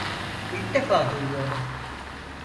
İlk defa duyuyorum.